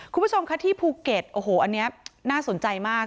คุณผู้ชมค่ะที่ภูเก็ตโอ้โหอันนี้น่าสนใจมาก